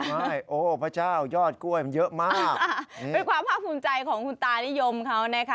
ใช่โอ้พระเจ้ายอดกล้วยมันเยอะมากเป็นความภาคภูมิใจของคุณตานิยมเขานะคะ